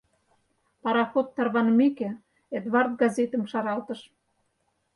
Пароход тарванымеке, Эдвард газетым шаралтыш.